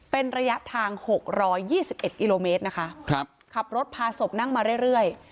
เป็นระยะทาง๖๒๑กิโลเมตรนะคะครับขับรถพาศพนั่งมาเรื่อย